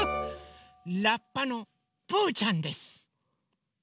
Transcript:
ラッパのぷうちゃんです！